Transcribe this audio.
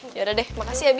yaudah deh makasih ya bi